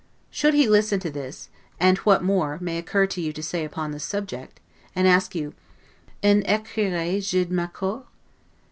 Should he listen to this, and what more may occur to you to say upon this subject, and ask you, 'En ecrirai je d ma cour?